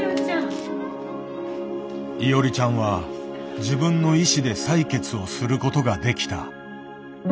いおりちゃんは自分の意思で採血をすることができた。